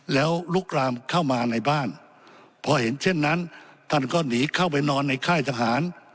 แล้วลุกรามเข้ามาในบ้านพอเห็นเช่นนั้นท่านก็หนีเข้าไปนอนในค่ายทหาร